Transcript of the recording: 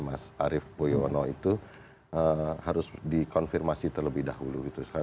mas arief puyono itu harus dikonfirmasi terlebih dahulu